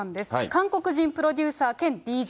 韓国人プロデューサー兼ＤＪ。